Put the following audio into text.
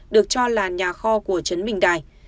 được cho là nhà kho của trấn bình đài